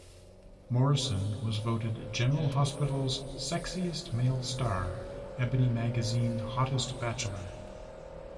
Morrison was voted "General Hospital"s sexiest male star, Ebony magazine hottest bachelor.